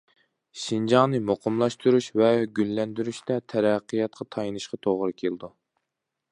شىنجاڭنى مۇقىملاشتۇرۇش ۋە گۈللەندۈرۈشتە تەرەققىياتقا تايىنىشقا توغرا كېلىدۇ.